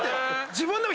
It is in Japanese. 自分でも。